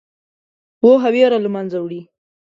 پوهه ویره له منځه وړي.